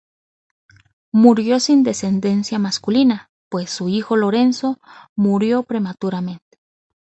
Murió sin descendencia masculina, pues su hijo Lorenzo murió prematuramente.